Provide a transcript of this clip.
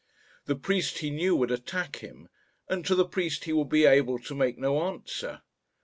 The priest he knew would attack him, and to the priest he would be able to make no answer.